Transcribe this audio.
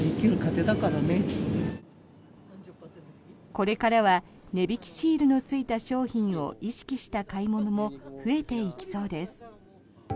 これからは値引きシールのついた商品を意識した買い物も増えていきそうです。